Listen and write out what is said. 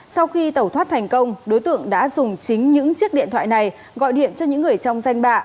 sau khi tẩu thoát thành công đối tượng đã dùng chính những chiếc điện thoại này gọi điện cho những người trong danh bạ